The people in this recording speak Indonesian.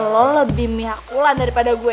lo lebih meyakulan daripada gue